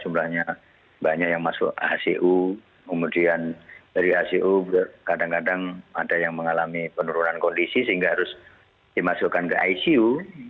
jumlahnya banyak yang masuk acu kemudian dari hcu kadang kadang ada yang mengalami penurunan kondisi sehingga harus dimasukkan ke icu